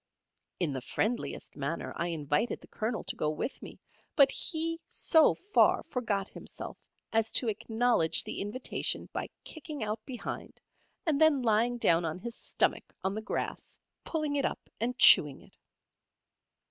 In the friendliest manner I invited the Colonel to go with me; but he so far forgot himself as to acknowledge the invitation by kicking out behind, and then lying down on his stomach on the grass, pulling it up and chewing it.